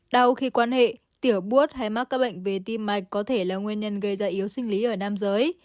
đau khi quan hệ tiểu bút hay mắc các bệnh về tim mạch có thể là nguyên nhân gây ra yếu sinh lý ở nam giới